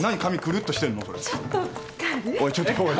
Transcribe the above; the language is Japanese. おいちょっとおい。